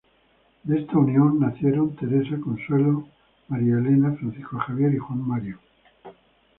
De esta unión nacieron: Teresa Consuelo, María Elena, Francisco Javier y Juan Mario.